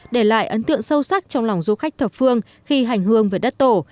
để lại ấn tượng sâu sắc trong lòng du khách thập phương khi hành hương về đất tổ